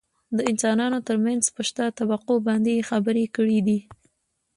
دانسانانو ترمنځ په شته طبقو باندې يې خبرې کړي دي .